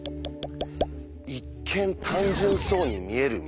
一見単純そうに見える「無限」。